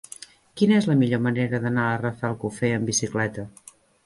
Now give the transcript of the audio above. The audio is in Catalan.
Quina és la millor manera d'anar a Rafelcofer amb bicicleta?